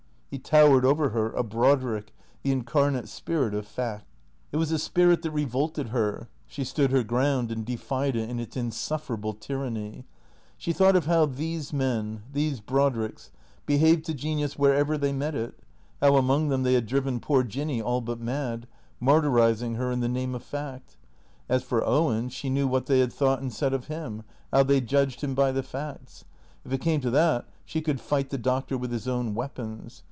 He towered over her, a Brodrick, the incarnate spirit of fact. It was a spirit that revolted her. She stood her ground and defied it in its insufferable tyranny. She thought of how these men, these Brodricks, behaved to genius wherever they met it; how, among them, they had driven poor Jinny all but mad, martyrizing her in the name of fact. As for Owen, she knew what they had thought and said of him, how they judged him by the facts. If it came to that she could fight the Doctor with his own weapons.